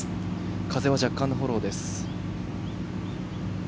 風は若干のフォローです。